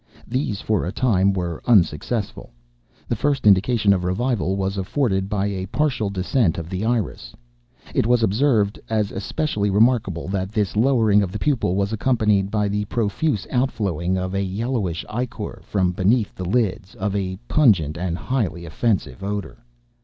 These, for a time, were unsuccessful. The first indication of revival was afforded by a partial descent of the iris. It was observed, as especially remarkable, that this lowering of the pupil was accompanied by the profuse out flowing of a yellowish ichor (from beneath the lids) of a pungent and highly offensive odor.